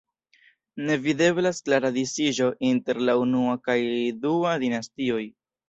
Ne videblas klara disiĝo inter la unua kaj dua dinastioj.